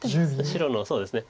白のそうですね。